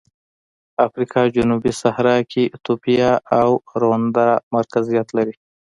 افریقا جنوبي صحرا کې ایتوپیا او روندا مرکزیت لري.